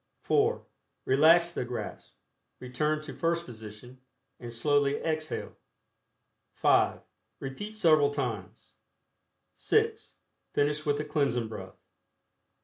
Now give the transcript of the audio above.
(4) Relax the grasp, return to first position, and slowly exhale. (5) Repeat several times. (6) Finish with the Cleansing Breath.